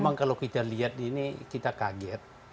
memang kalau kita lihat ini kita kaget